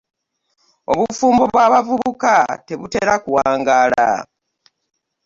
Obufumbo bw'abavubuka tebutera ku wangaala.